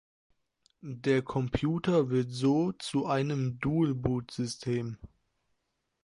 Der Computer wird so zu einem Dual-Boot-System.